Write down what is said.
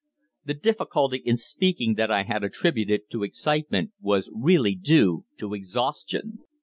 The difficulty in speaking that I had attributed to excitement was really due to exhaustion.